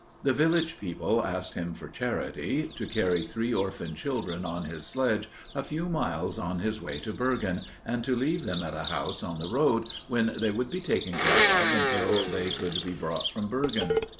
The village people asked him for charity, to carry three orphan children on his sledge a few miles on his way to Bergen, and to leave them at a house on the road, when they would be taken care of until they could be brought from Bergen.